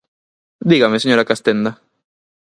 ¿Dígame, señora Castenda?